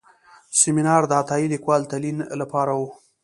سیمینار د عطایي لیکوال تلین لپاره و.